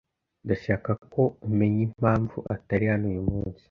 Ndashaka ko umenya impamvu atari hano uyu munsi.